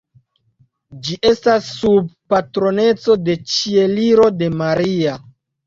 Ĝi estas sub patroneco de Ĉieliro de Maria.